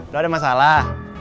lo ada masalah